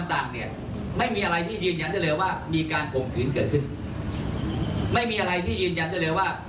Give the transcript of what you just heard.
ตัวเป็นใครเราก็จะดำเนินคดีหมด